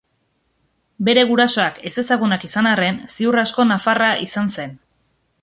Bere gurasoak ezezagunak izan arren, ziur asko nafarra izan zen.